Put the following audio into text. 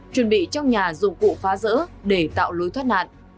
chuẩn bị trong nhà dụng cụ phá rỡ để tạo lối thoát nạn